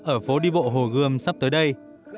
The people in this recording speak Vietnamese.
ở phố đi bộ hồ gươm sắp tới đây